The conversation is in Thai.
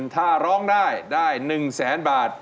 ถ้าร้องได้ได้๑๐๐๐๐๐บาท